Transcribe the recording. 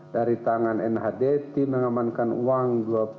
dari tangan hnd tim mengamankan uang dua puluh tujuh dua ratus lima puluh lima